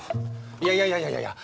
いやいやいやいやいやいや！